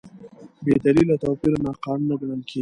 بېدلیله توپیر ناقانونه ګڼل کېږي.